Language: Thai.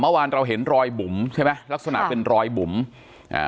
เมื่อวานเราเห็นรอยบุ๋มใช่ไหมลักษณะเป็นรอยบุ๋มอ่า